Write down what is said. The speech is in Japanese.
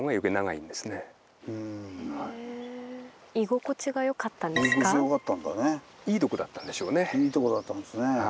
いいとこだったんでしょうね。